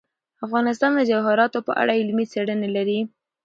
افغانستان د جواهرات په اړه علمي څېړنې لري.